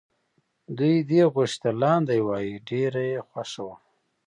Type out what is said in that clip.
دوی دې غوښې ته لاندی وایه ډېره یې خوښه وه.